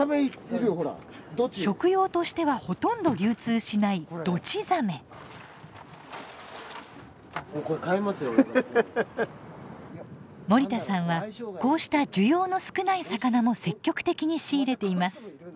食用としてはほとんど流通しない森田さんはこうした需要の少ない魚も積極的に仕入れています。